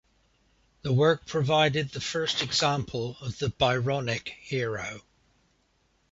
The work provided the first example of the Byronic hero.